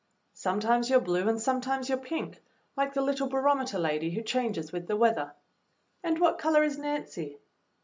"Sometimes you're blue and sometimes you're pink, like the little barometer lady who changes with the weather." "And what color is Nancy